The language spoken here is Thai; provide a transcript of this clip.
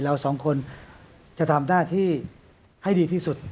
เราสองคนจะทำหน้าที่ให้ดีที่สุด